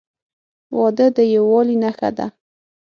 • واده د یووالي نښه ده.